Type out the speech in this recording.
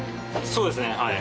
そうですねはい。